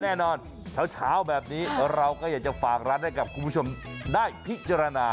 แน่นอนเช้าแบบนี้เราก็อยากจะฝากร้านให้กับคุณผู้ชมได้พิจารณา